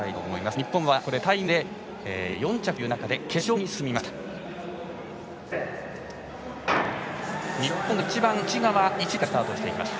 日本はタイムで４着という中で決勝に進みました。